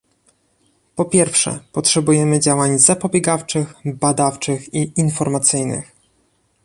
Po pierwsze, potrzebujemy działań zapobiegawczych, badawczych i informacyjnych